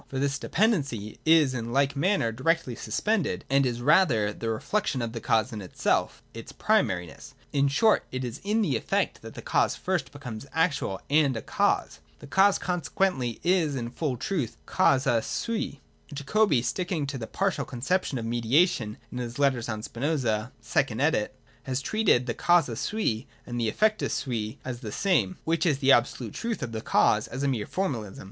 For this dependency is in like manner directly suspended, and is rather the reflection of the cause in itself, its primariness : in short, it is in the effect that the cause first becomes actual and a cause. The cause consequently is in its full truth causa sut. — Jacobi, sticking to the partial conception of mediation (in his Letters on Spinoza, second edit. p. 416), has treated the causa sui (and the effectus sui is the same), which is the absolute truth of the cause, as a mere formalism.